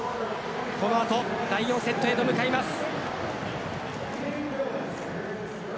この後第４セットへと向かいます。